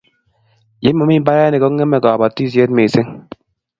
ye mami mbarenik kongeme kabatishit mising